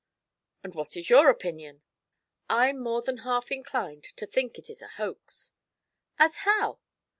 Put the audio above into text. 'And what is your opinion?' 'I'm more than half inclined to think it is a hoax.' 'As how?'